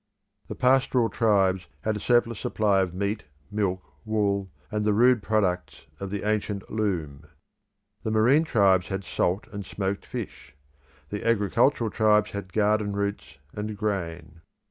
The pastoral tribes had a surplus supply of meat, milk, wool, and the rude products of the ancient loom. The marine tribes had salt and smoked fish. The agricultural tribes had garden roots and grain.